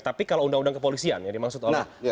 tapi kalau undang undang kepolisian yang dimaksud oleh